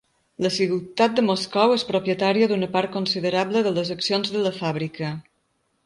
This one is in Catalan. La ciutat de Moscou és propietària d'una part considerable de les accions de la fàbrica.